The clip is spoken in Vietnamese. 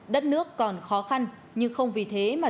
đất nước còn khó khăn nhưng không vì thế mà